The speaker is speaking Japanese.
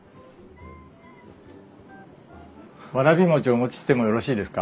わらび餅お持ちしてもよろしいですか？